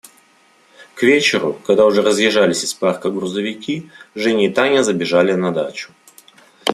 К вечеру, когда уже разъезжались из парка грузовики, Женя и Таня забежали на дачу.